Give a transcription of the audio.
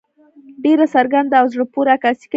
ډېره څرګنده او زړۀ پورې عکاسي کوي.